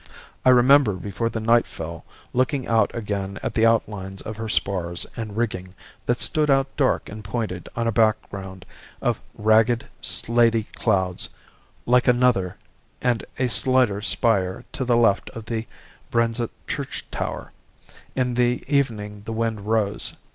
I remember before the night fell looking out again at the outlines of her spars and rigging that stood out dark and pointed on a background of ragged, slaty clouds like another and a slighter spire to the left of the Brenzett church tower. In the evening the wind rose.